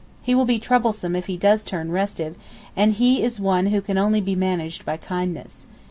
He will be troublesome if he does turn restive, and he is one who can only be managed by kindness.